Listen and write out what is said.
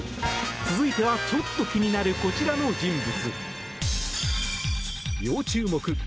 続いてはちょっと気になるこちらの人物。